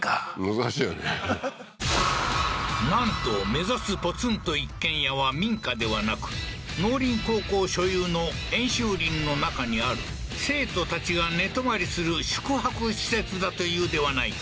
難しいよねなんと目指すポツンと一軒家は民家ではなく農林高校所有の演習林の中にある生徒たちが寝泊まりする宿泊施設だというではないか